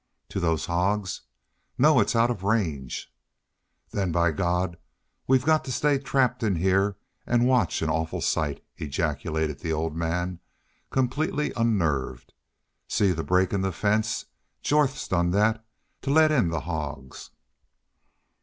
"To those hogs? No, it's out of range." "Then, by God, we've got to stay trapped in heah an' watch an awful sight," ejaculated the old man, completely unnerved. "See that break in the fence! ... Jorth's done that.... To let in the hogs!"